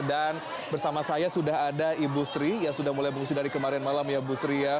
dan bersama saya sudah ada ibu sri yang sudah mulai pengungsian dari kemarin malam ya ibu sri